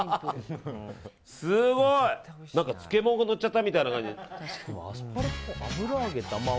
すごい！何か漬物がのっちゃったみたいな感じ。